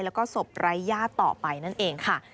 และก็ศพไร่ย่าต่อไปนั่นเองค่ะ